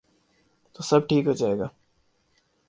تو سب ٹھیک ہو جائے گا۔